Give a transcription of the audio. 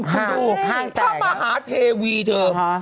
ข้ามมาหาเทวีเธอ